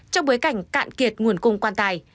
trong bối cảnh cạn kiệt nguồn cung quan tài